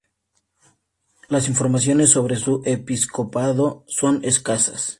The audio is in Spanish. Las informaciones sobre su episcopado son escasas.